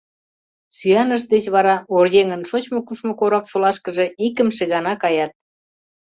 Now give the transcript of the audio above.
Сӱанышт деч вара оръеҥын шочмо-кушмо Кораксолашкыже икымше гана каят.